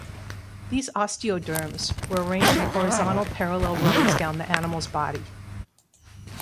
These osteoderms were arranged in horizontal parallel rows down the animal's body.